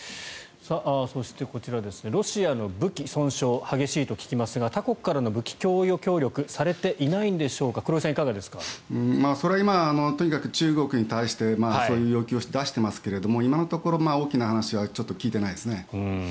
そして、こちらロシアの武器損傷が激しいと聞きますが他国からの武器供与協力はそれは今、中国に対してそういう要求を出していますが今のところ大きな話はちょっと聞いていないです。